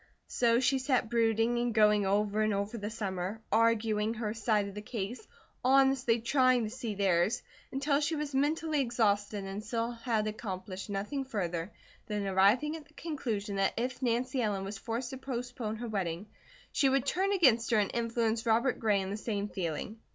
So she sat brooding and going over and over the summer, arguing her side of the case, honestly trying to see theirs, until she was mentally exhausted and still had accomplished nothing further than arriving at the conclusion that if Nancy Ellen was forced to postpone her wedding she would turn against her and influence Robert Gray in the same feeling.